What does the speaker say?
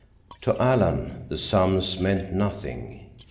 To Alan the sums meant nothing.